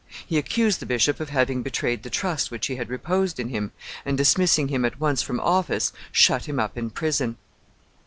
He accused the bishop of having betrayed the trust which he had reposed in him, and, dismissing him at once from office, shut him up in prison.